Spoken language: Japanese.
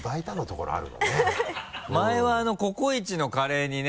前はココイチのカレーにね。